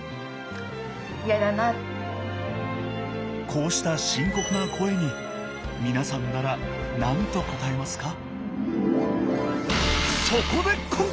こうした深刻な声にみなさんなら何と答えますか？